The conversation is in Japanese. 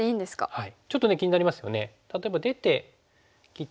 はい。